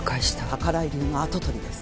宝居流の跡取りです。